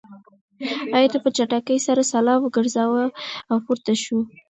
انا په چټکۍ سره سلام وگرځاوه او پورته شوه.